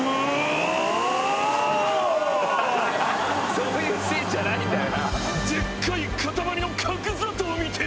そういうシーンじゃないんだよ。